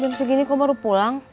jam segini kok baru pulang